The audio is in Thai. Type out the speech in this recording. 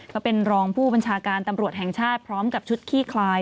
ก็เป็นรองผู้บัญชาการตำรวจแห่งชาติพร้อมกับชุดขี้คลาย